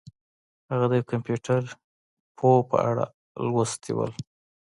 هغه د یو کمپیوټر پوه په اړه لوستي وو